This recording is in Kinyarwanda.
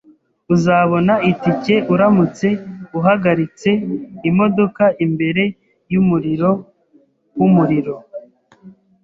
Uzabona itike uramutse uhagaritse imodoka imbere yumuriro wumuriro.